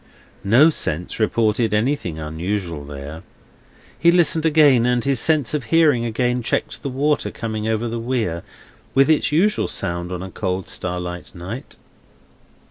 No sense reported anything unusual there. He listened again, and his sense of hearing again checked the water coming over the Weir, with its usual sound on a cold starlight night.